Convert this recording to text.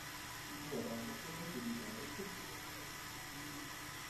I due arrangiatori dirigono le rispettive orchestre.